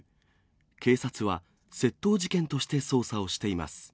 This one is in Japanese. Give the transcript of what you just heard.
警察は窃盗事件として捜査をしています。